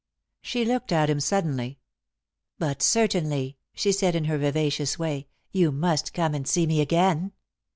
She looked at him suddenly. "But certainly," she said in her vivacious way, "you must come and see me again.